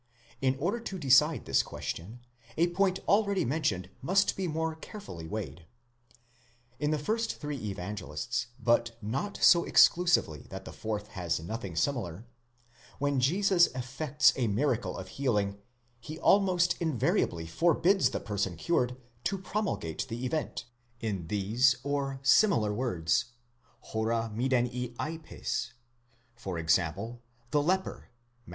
In order to decide this question, a point already mentioned must be more carefully weighed. In the first three Evangelists, but not so exclusively that the fourth has nothing similar, when Jesus effects a miracle of healing he almost invariably forbids the person cured to promul gate the event, in these or similar words, dpa μηδενὶ εἴπῃς; e.g. the leper, Matt.